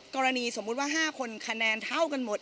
สมมุติว่า๕คนคะแนนเท่ากันหมด